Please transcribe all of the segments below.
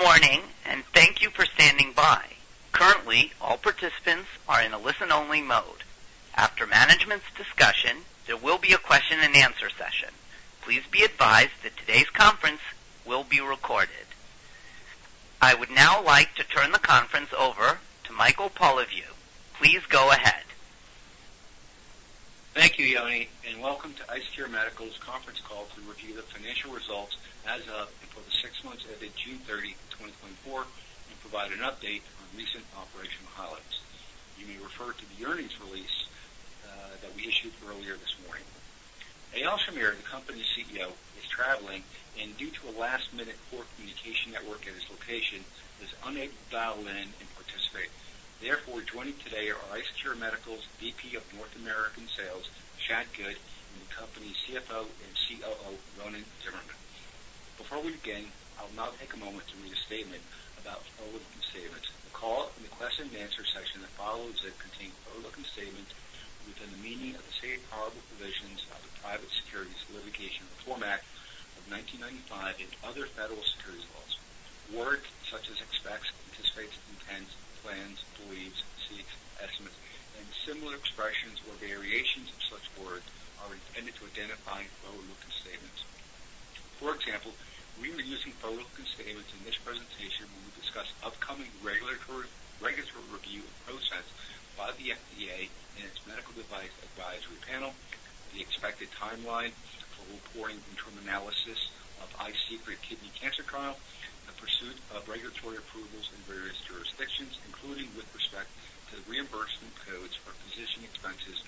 Good morning, and thank you for standing by. Currently, all participants are in a listen-only mode. After management's discussion, there will be a question-and-answer session. Please be advised that today's conference will be recorded. I would now like to turn the conference over to Michael Polyviou. Please go ahead. Thank you, Yoni, and welcome to IceCure Medical's conference call to review the financial results as of and for the six months ended June 30, 2024, and provide an update on recent operational highlights. You may refer to the earnings release that we issued earlier this morning. Eyal Shamir, the company's CEO, is traveling and due to a last-minute poor communication network at his location, is unable to dial in and participate. Therefore, joining today are IceCure Medical's VP of North American Sales, Shad Good, and the company's CFO and COO, Ronen Tsimerman. Before we begin, I'll now take a moment to read a statement about forward-looking statements. The call and the question-and-answer session that follows it contain forward-looking statements within the meaning of the safe harbor provisions of the Private Securities Litigation Reform Act of nineteen ninety-five and other federal securities laws. Words such as expects, anticipates, intends, plans, believes, seeks, estimates, and similar expressions or variations of such words are intended to identify forward-looking statements. For example, we were using forward-looking statements in this presentation when we discuss upcoming regulatory review ProSense by the FDA and its Medical Device Advisory Panel, the expected timeline for reporting interim analysis of ICESECRET kidney cancer trial, the pursuit of regulatory approvals in various jurisdictions, including with respect to reimbursement codes for physician expenses,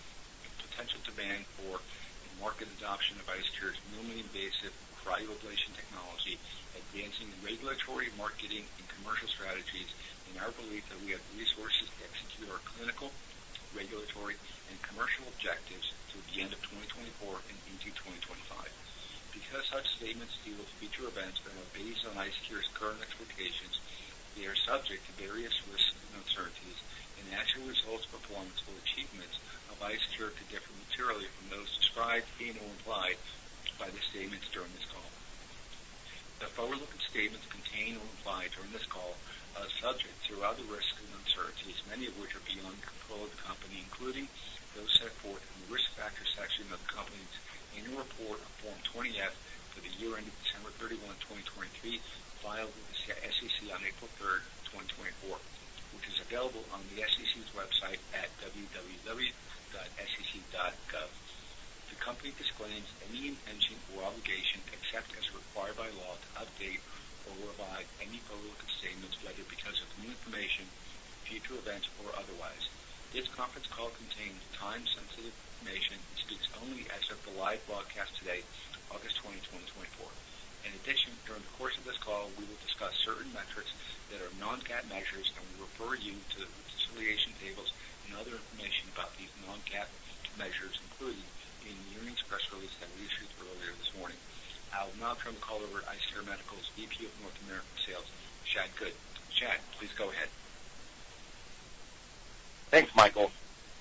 potential demand for and market adoption of IceCure's minimally invasive cryoablation technology, advancing the regulatory, marketing, and commercial strategies, and our belief that we have resources to execute our clinical, regulatory, and commercial objectives through the end of twenty twenty-four and into twenty twenty-five. Because such statements deal with future events that are based on IceCure's current expectations, they are subject to various risks and uncertainties, and actual results, performance, or achievements of IceCure could differ materially from those described, deemed, or implied by the statements during this call. The forward-looking statements contained or implied during this call are subject to other risks and uncertainties, many of which are beyond the control of the company, including those set forth in the Risk Factors section of the company's annual report on Form 20-F for the year ended December thirty-one, twenty twenty-three, filed with the SEC on April third, twenty twenty-four, which is available on the SEC's website at www.sec.gov. The company disclaims any intention or obligation, except as required by law, to update or revise any forward-looking statements, whether because of new information, future events, or otherwise. This conference call contains time-sensitive information and speaks only as of the live broadcast today, August 20, 2024. In addition, during the course of this call, we will discuss certain metrics that are non-GAAP measures, and we refer you to the reconciliation tables and other information about these non-GAAP measures, including in the earnings press release that we issued earlier this morning. I will now turn the call over to IceCure Medical's VP of North American Sales, Shad Good. Shad, please go ahead. Thanks, Michael.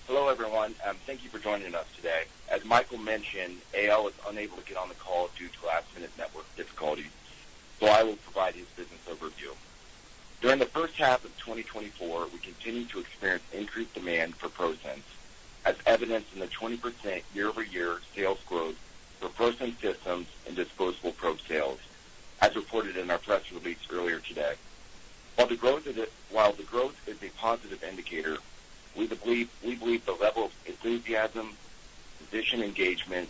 Hello, everyone, thank you for joining us today. As Michael mentioned, Eyal is unable to get on the call due to last-minute network difficulties, so I will provide his business overview. During the first half of 2024, we continued to experience increased demand for ProSense, as evidenced in the 20% year-over-year sales growth for ProSense systems and disposable probe sales, as reported in our press release earlier today. While the growth is a positive indicator, we believe the level of enthusiasm, physician engagement,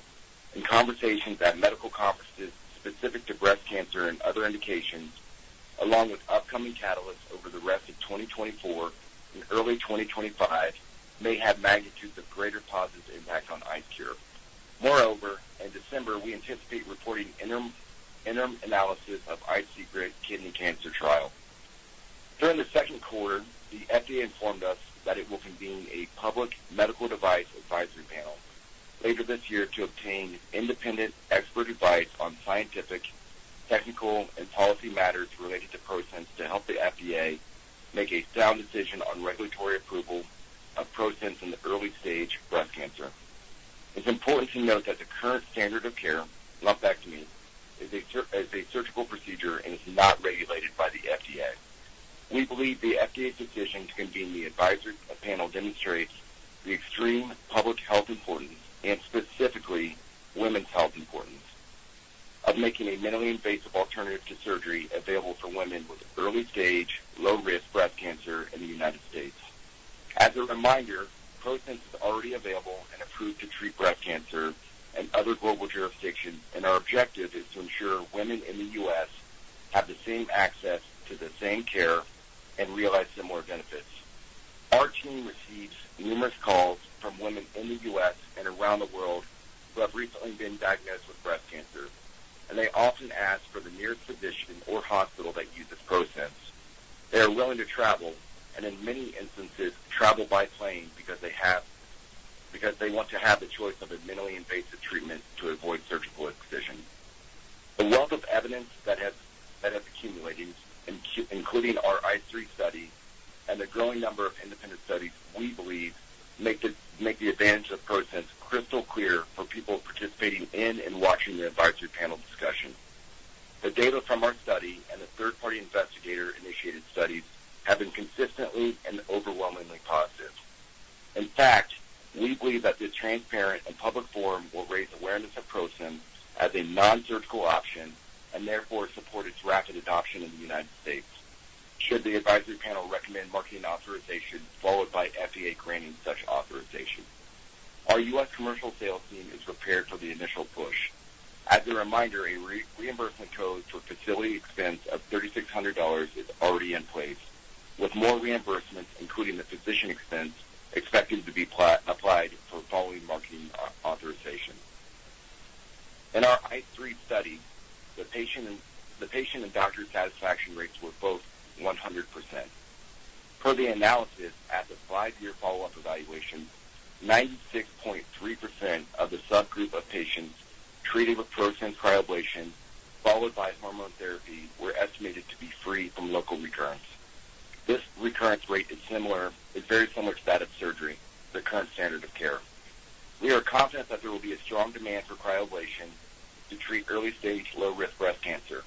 and conversations at medical conferences specific to breast cancer and other indications, along with upcoming catalysts over the rest of 2024 and early 2025, may have magnitudes of greater positive impact on IceCure. Moreover, in December, we anticipate reporting interim analysis of ICESECRET kidney cancer trial. During the second quarter, the FDA informed us that it will convene a public Medical Device Advisory Panel later this year to obtain independent expert advice on scientific, technical, and policy matters related to ProSense to help the FDA make a sound decision on regulatory approval of ProSense in the early-stage breast cancer. It's important to note that the current standard of care, lumpectomy, is a surgical procedure and is not regulated by the FDA. We believe the FDA's decision to convene the advisory panel demonstrates the extreme public health importance and specifically women's health importance, of making a minimally invasive alternative to surgery available for women with early-stage, low-risk breast cancer in the United States. As a reminder, ProSense is already available and approved to treat breast cancer in other global jurisdictions, and our objective is to ensure women in the U.S. have the same access to the same care and realize similar benefits. Our team receives numerous calls from women in the U.S. and around the world who have recently been diagnosed with breast cancer, and they often ask for the nearest physician or hospital that uses ProSense. They are willing to travel, and in many instances, travel by plane because they want to have the choice of a minimally invasive treatment to avoid surgical incision. The wealth of evidence that has accumulated, including our ICE3 study, and the growing number of independent studies, we believe, make the advantage of ProSense crystal clear for people participating in and watching the advisory panel discussion. The data from our study and the third-party investigator-initiated studies have been consistently and overwhelmingly positive. In fact, we believe that this transparent and public forum will raise awareness of ProSense as a nonsurgical option, and therefore support its rapid adoption in the United States should the advisory panel recommend marketing authorization, followed by FDA granting such authorization. Our U.S. commercial sales team is prepared for the initial push. As a reminder, a reimbursement code for facility expense of $3,600 is already in place, with more reimbursements, including the physician expense, expected to be applied for following marketing authorization. In our ICE3 study, the patient and doctor satisfaction rates were both 100%. Per the analysis, at the five-year follow-up evaluation, 96.3% of the subgroup of patients treated with ProSense cryoablation, followed by hormone therapy, were estimated to be free from local recurrence. This recurrence rate is similar, is very similar to that of surgery, the current standard of care. We are confident that there will be a strong demand for cryoablation to treat early-stage, low-risk breast cancer.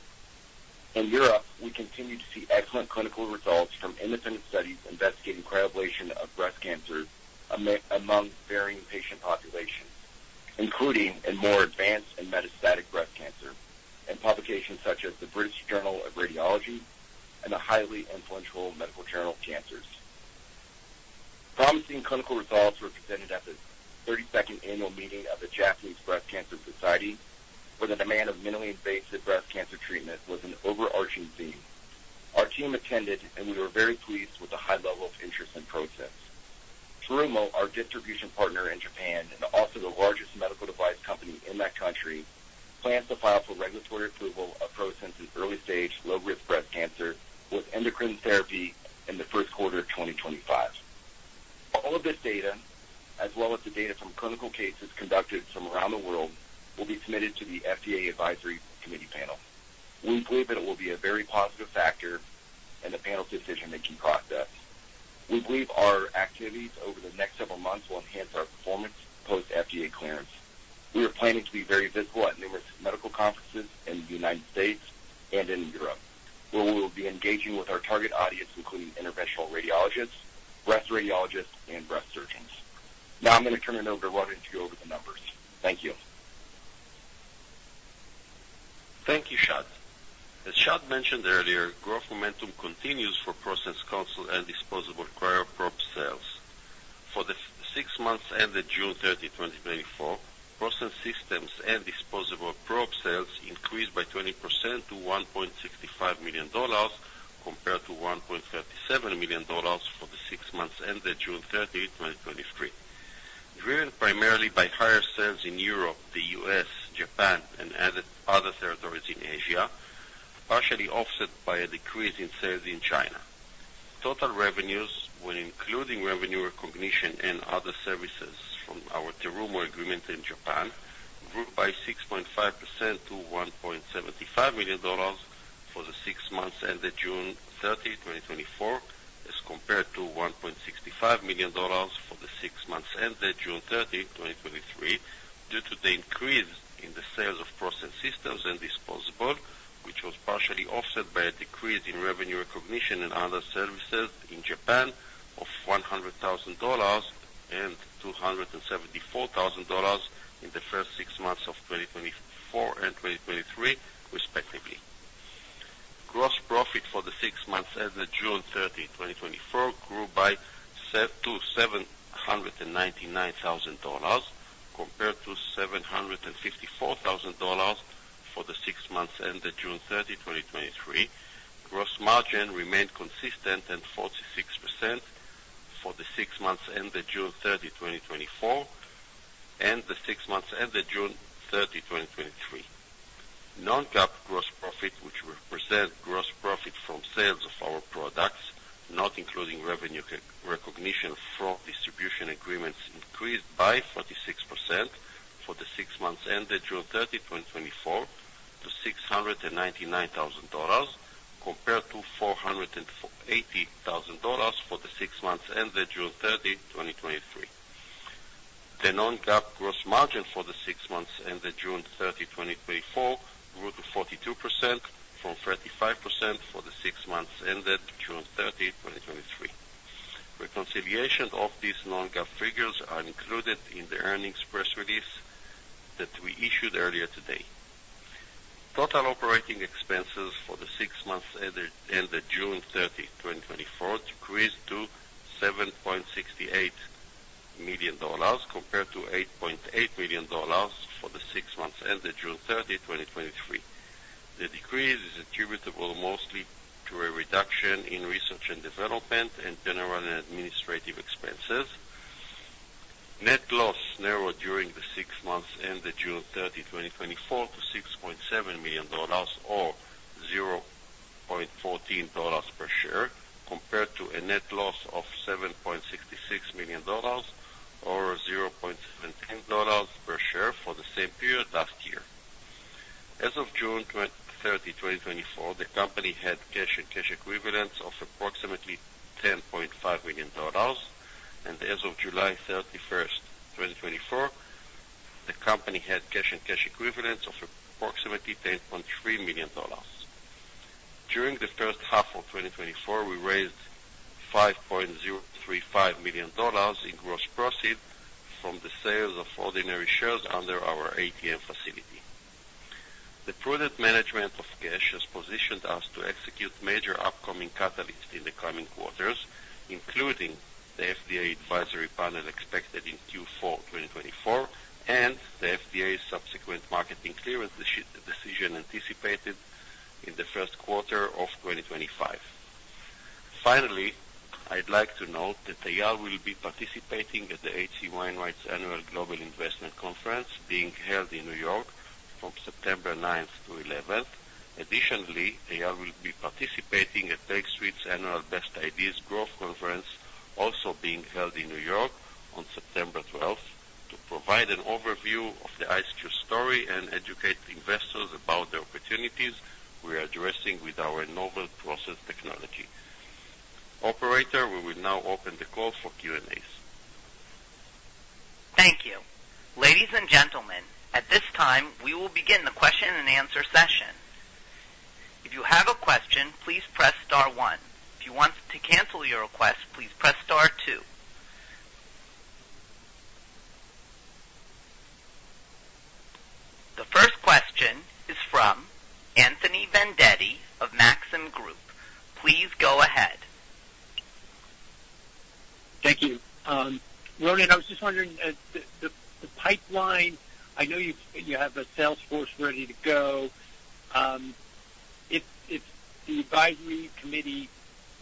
In Europe, we continue to see excellent clinical results from independent studies investigating cryoablation of breast cancer among varying patient populations, including in more advanced and metastatic breast cancer, and publications such as the British Journal of Radiology and the highly influential medical journal, Cancers. Promising clinical results were presented at the thirty-second annual meeting of the Japanese Breast Cancer Society, where the demand of minimally invasive breast cancer treatment was an overarching theme. Our team attended, and we were very pleased with the high level of interest in ProSense. Terumo, our distribution partner in Japan, and also the largest medical device company in that country, plans to file for regulatory approval of ProSense's early-stage, low-risk breast cancer with endocrine therapy in the first quarter of 2025. All of this data, as well as the data from clinical cases conducted from around the world, will be submitted to the FDA Medical Device Advisory Panel. We believe that it will be a very positive factor in the panel's decision-making process. We believe our activities over the next several months will enhance our performance post FDA clearance. We are planning to be very visible at numerous medical conferences in the United States and in Europe, where we will be engaging with our target audience, including interventional radiologists, breast radiologists, and breast surgeons. Now, I'm going to turn it over to Ron to go over the numbers. Thank you. Thank you, Shad. As Shad mentioned earlier, growth momentum continues for ProSense console and disposable cryoprobe sales. For the six months ended June 30, 2024, ProSense systems and disposable probe sales increased by 20% to $1.65 million, compared to $1.37 million for the six months ended June 30, 2023. Driven primarily by higher sales in Europe, the U.S., Japan, and other territories in Asia, partially offset by a decrease in sales in China. Total revenues, when including revenue recognition and other services from our Terumo agreement in Japan, grew by 6.5% to $1.75 million for the six months ended June 30, 2024, as compared to $1.65 million for the six months ended June 30, 2023, due to the increase in the sales of ProSense systems and disposables, which was partially offset by a decrease in revenue recognition and other services in Japan of $100,000 and $274,000 in the first six months of 2024 and 2023, respectively. Gross profit for the six months ended June 30, 2024, grew by $799,000, compared to $754,000 for the six months ended June 30, 2023. Gross margin remained consistent at 46% for the six months ended June 30, 2024, and the six months ended June 30, 2023. Non-GAAP gross profit, which represent gross profit from sales of our products, not including revenue recognition from distribution agreements, increased by 46% for the six months ended June 30, 2024, to $699,000, compared to $480,000 for the six months ended June 30, 2023. The non-GAAP gross margin for the six months ended June 30, 2024, grew to 42% from 35% for the six months ended June 30, 2023. Reconciliation of these non-GAAP figures are included in the earnings press release that we issued earlier today. Total operating expenses for the six months ended June 30, 2024, decreased to $7.68 million, compared to $8.8 million for the six months ended June 30, 2023. The decrease is attributable mostly to a reduction in research and development and general and administrative expenses. Net loss narrowed during the six months ended June 30, 2024, to $6.7 million, or $0.14 per share, compared to a net loss of $7.66 million or $0.17 per share for the same period last year. As of June 30, 2024, the company had cash and cash equivalents of approximately $10.5 million, and as of July 31, 2024, the company had cash and cash equivalents of approximately $10.3 million. During the first half of 2024, we raised $5.035 million in gross proceeds from the sales of ordinary shares under our ATM facility. The prudent management of cash has positioned us to execute major upcoming catalysts in the coming quarters, including the FDA advisory panel expected in Q4 2024, and the FDA's subsequent marketing clearance decision anticipated in the first quarter of 2025. Finally, I'd like to note that Eyal will be participating at the H.C. Wainwright's Annual Global Investment Conference, being held in New York from September ninth to eleventh. Additionally, Eyal will be participating at Lake Street's Annual Best Ideas Growth Conference, also being held in New York on September twelfth, to provide an overview of the IceCure story and educate investors about the opportunities we are addressing with our novel process technology. Operator, we will now open the call for Q&As. Thank you. Ladies and gentlemen, at this time, we will begin the question-and-answer session. If you have a question, please press star one. If you want to cancel your request, please press star two. The first question is from Anthony Vendetti of Maxim Group. Please go ahead. Thank you. Ronen, I was just wondering, the pipeline. I know you have a sales force ready to go. If the advisory committee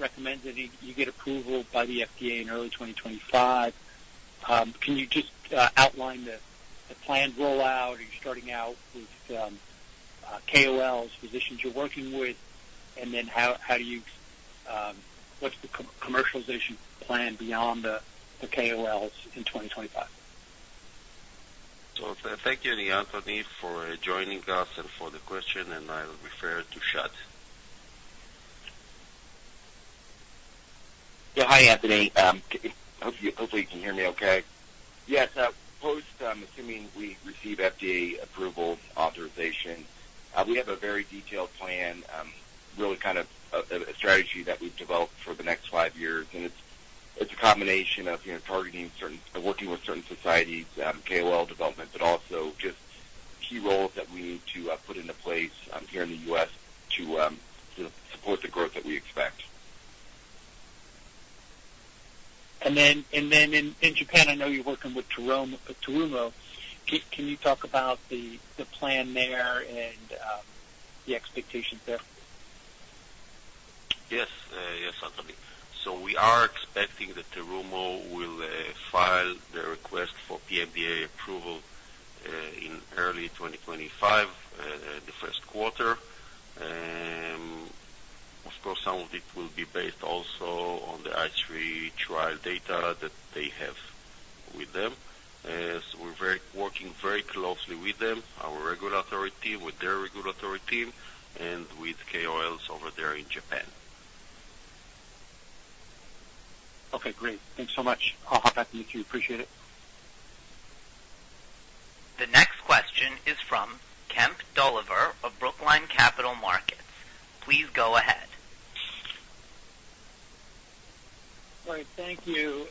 recommends that you get approval by the FDA in early twenty twenty-five, can you just outline the planned rollout? Are you starting out with KOLs, physicians you're working with? And then how do you, what's the commercialization plan beyond the KOLs in twenty twenty-five? So thank you, Anthony, for joining us and for the question, and I'll refer to Shad. Yeah. Hi, Anthony. Hopefully you can hear me okay. Yes, post, assuming we receive FDA approval authorization, we have a very detailed plan, really kind of a strategy that we've developed for the next five years. And it's a combination of, you know, targeting certain, working with certain societies, KOL development, but also just key roles that we need to put into place, here in the U.S. to support the growth that we expect. In Japan, I know you're working with Terumo. Can you talk about the plan there and the expectations there? Yes, Anthony. So we are expecting that Terumo will file the request for PMDA approval in early 2025, the first quarter. Of course, some of it will be based also on the ICE3 trial data that they have with them. So we're working very closely with them, our regulatory team, with their regulatory team and with KOLs over there in Japan. Okay, great. Thanks so much. I'll hop back to you, too. Appreciate it. The next question is from Kemp Dolliver of Brookline Capital Markets. Please go ahead. Great. Thank you.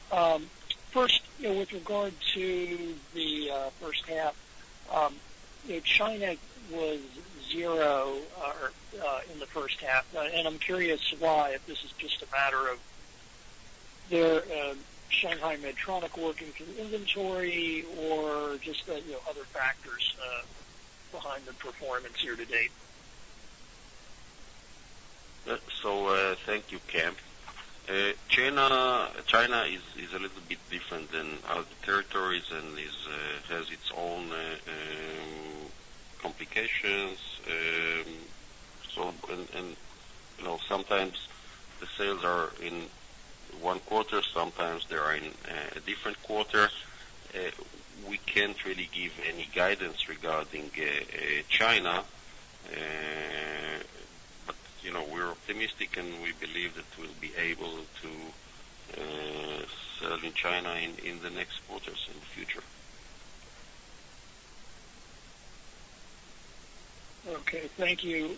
First, you know, with regard to the first half, China was zero, or in the first half, and I'm curious why, if this is just a matter of their Shanghai Medtronic working through inventory or just, you know, other factors behind the performance year to date? So, thank you, Kemp. China is a little bit different than other territories and has its own complications. So, and, you know, sometimes the sales are in one quarter, sometimes they are in a different quarter. We can't really give any guidance regarding China, but, you know, we're optimistic, and we believe that we'll be able to sell in China in the next quarters in the future. Okay. Thank you.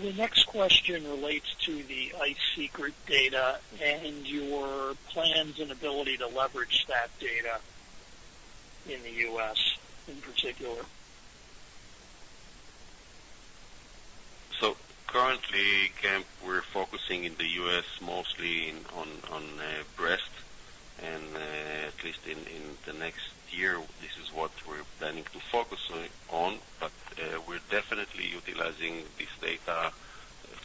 The next question relates to the ICESECRET data and your plans and ability to leverage that data in the U.S. in particular. Currently, Kemp, we're focusing in the U.S. mostly on breast, and at least in the next year, this is what we're planning to focus on, but we're definitely utilizing this data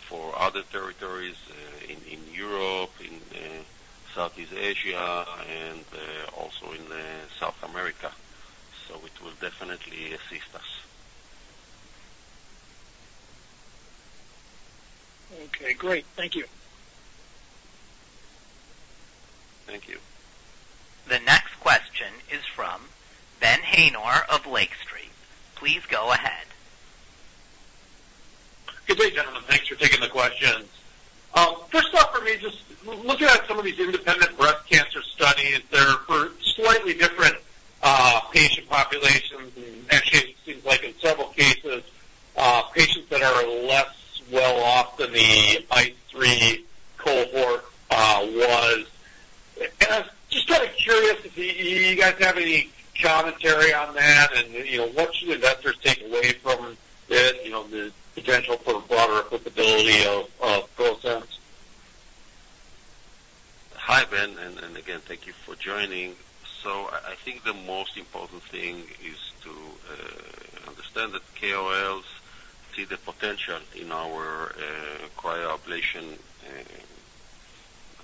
for other territories in Europe, in Southeast Asia, and also in South America. It will definitely assist us. ... Okay, great. Thank you. Thank you. The next question is from Ben Haynor of Lake Street. Please go ahead. Good day, gentlemen. Thanks for taking the questions. First off, for me, just looking at some of these independent breast cancer studies, they're for slightly different patient populations, and actually, it seems like in several cases patients that are less well off than the ICE3 cohort was. And I'm just kinda curious if you guys have any commentary on that, and, you know, what should investors take away from this? You know, the potential for broader applicability of ProSense. Hi, Ben, and again, thank you for joining. So I think the most important thing is to understand that KOLs see the potential in our cryoablation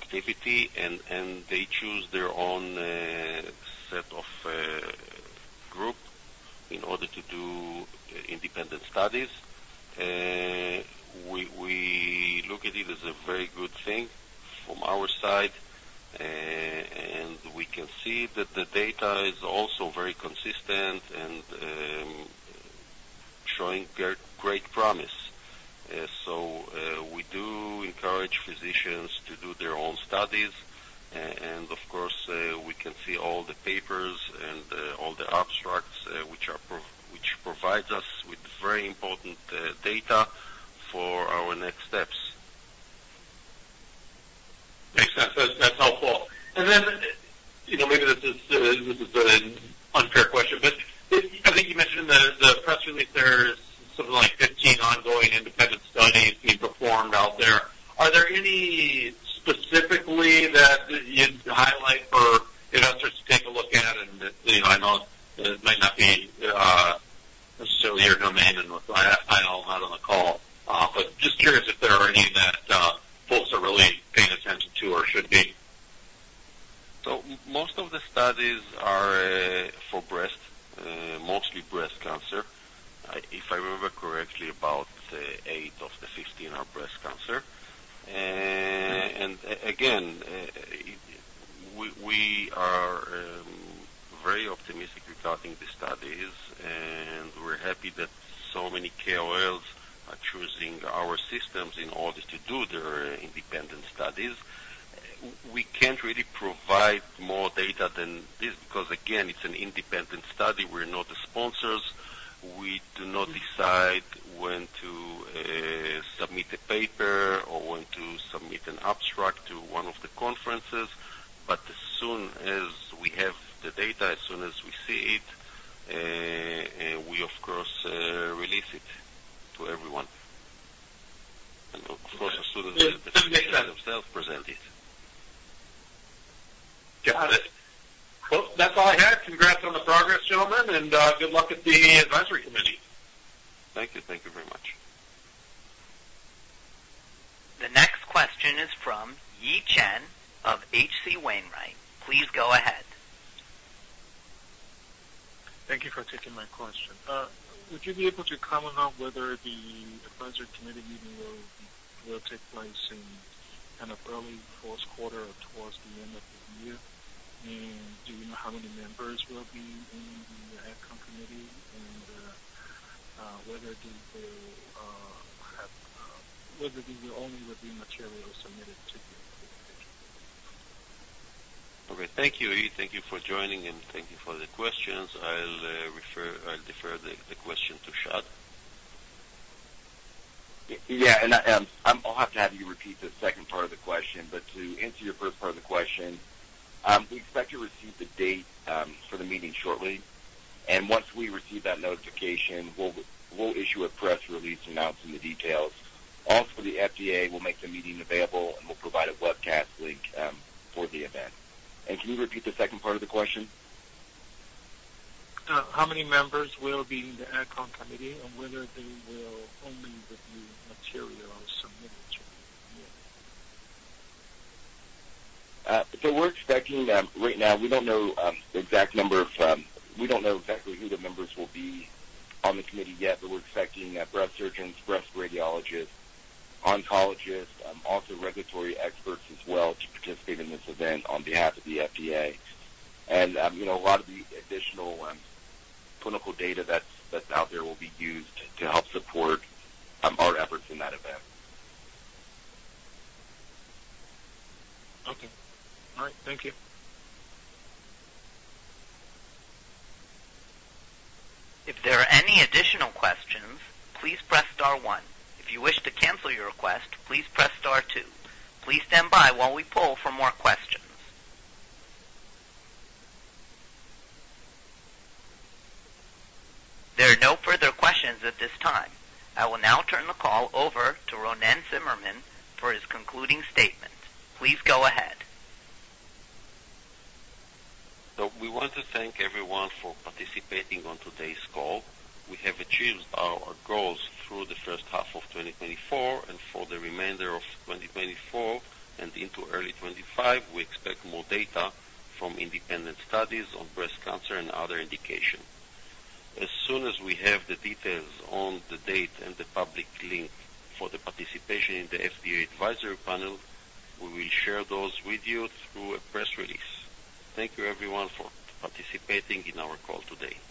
activity, and they choose their own set of group in order to do independent studies. We look at it as a very good thing from our side, and we can see that the data is also very consistent and showing great promise. So we do encourage physicians to do their own studies, and of course, we can see all the papers and all the abstracts, which provides us with very important data for our next steps. Makes sense. That's, that's helpful. And then, you know, maybe this is, this is an unfair question, but I think you mentioned that as a press release, there's something like fifteen ongoing independent studies being performed out there. Are there any specifically that you'd highlight for investors to take a look at? And, you know, I know it might not be necessarily your domain, and I know I'm not on the call, but just curious if there are any that folks are really paying attention to or should be. Most of the studies are for breast, mostly breast cancer. If I remember correctly, about eight of the fifteen are breast cancer. And again, we are very optimistic regarding the studies, and we're happy that so many KOLs are choosing our systems in order to do their independent studies. We can't really provide more data than this because, again, it's an independent study. We're not the sponsors. We do not decide when to submit a paper or when to submit an abstract to one of the conferences, but as soon as we have the data, as soon as we see it, we, of course, release it to everyone. And of course, as soon as- That makes sense. Themselves present it. Got it. That's all I had. Congrats on the progress, gentlemen, and good luck at the advisory committee. Thank you. Thank you very much. The next question is from Yi Chen of H.C. Wainwright. Please go ahead. Thank you for taking my question. Would you be able to comment on whether the advisory committee meeting will take place in kind of early fourth quarter or towards the end of the year? And do you know how many members will be in the ad hoc committee, and whether they will only review material submitted to the committee? Okay, thank you, Yi. Thank you for joining, and thank you for the questions. I'll defer the question to Shad. Yeah, and, I'll have to have you repeat the second part of the question, but to answer your first part of the question, we expect to receive the date for the meeting shortly, and once we receive that notification, we'll issue a press release announcing the details. Also, the FDA will make the meeting available, and we'll provide a webcast link for the event. And can you repeat the second part of the question? How many members will be in the ad hoc committee, and whether they will only review material or submitted to you? So, we're expecting right now we don't know the exact number of... We don't know exactly who the members will be on the committee yet, but we're expecting breast surgeons, breast radiologists, oncologists, also regulatory experts as well to participate in this event on behalf of the FDA, and you know, a lot of the additional clinical data that's out there will be used to help support our efforts in that event. Okay. All right. Thank you. If there are any additional questions, please press star one. If you wish to cancel your request, please press star two. Please stand by while we poll for more questions. There are no further questions at this time. I will now turn the call over to Ronen Tsimerman for his concluding statement. Please go ahead. So we want to thank everyone for participating on today's call. We have achieved our goals through the first half of twenty twenty-four, and for the remainder of twenty twenty-four and into early twenty twenty-five, we expect more data from independent studies on breast cancer and other indication. As soon as we have the details on the date and the public link for the participation in the FDA advisory panel, we will share those with you through a press release. Thank you everyone for participating in our call today.